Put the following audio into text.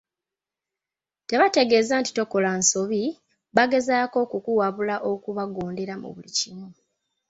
Tebategeeza nti tokola nsobi, bagezaako kukuwabula okubagondera mu buli kimu.